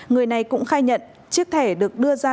người này cũng khai nhận chiếc thẻ được đưa ra